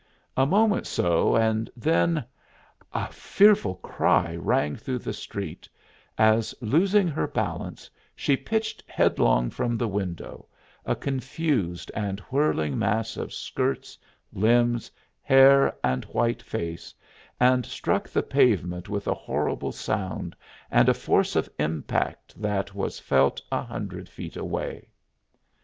A moment so, and then ! A fearful cry rang through the street, as, losing her balance, she pitched headlong from the window, a confused and whirling mass of skirts, limbs, hair, and white face, and struck the pavement with a horrible sound and a force of impact that was felt a hundred feet away.